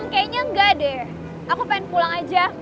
kayaknya enggak deh aku pengen pulang aja